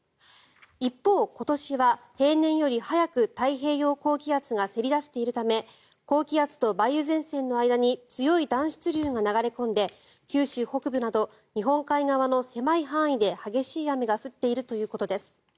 一方、今年は平年より早く太平洋高気圧がせり出しているため高気圧と梅雨前線の間に強い暖湿流が流れ込んで九州北部など日本海側の狭い範囲で激しい雨が降っているということです。